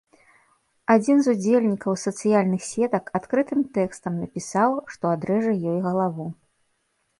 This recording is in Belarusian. Адзін з удзельнікам сацыяльных сетак адкрытым тэкстам напісаў, што адрэжа ёй галаву.